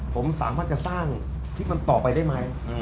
ผมสามารถจะสร้างที่มันต่อไปได้ไหม